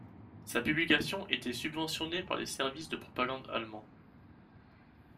Sa publication était subventionnée par les services de propagande allemands.